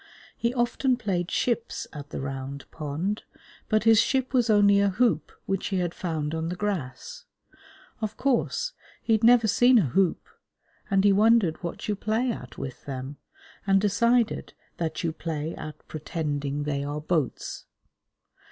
He often played ships at the Round Pond, but his ship was only a hoop which he had found on the grass. Of course, he had never seen a hoop, and he wondered what you play at with them, and decided that you play at pretending they are boats.